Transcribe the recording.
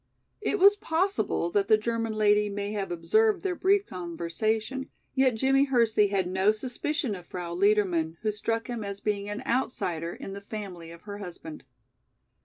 It was possible that the German lady may have observed their brief conversation, yet Jimmie Hersey had no suspicion of Frau Liedermann, who struck him as being an outsider in the family of her husband.